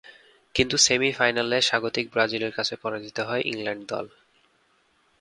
কিন্তু সেমি-ফাইনালে স্বাগতিক ব্রাজিলের কাছে পরাজিত হয় ইংল্যান্ড দল।